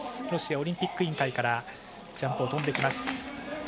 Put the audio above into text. ロシアオリンピック委員会からジャンプを飛んできます。